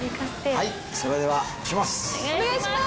はいそれでは押します。